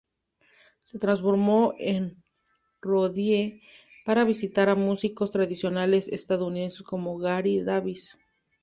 Se transformó en roadie para visitar a músicos tradicionales estadounidenses como Gary Davis.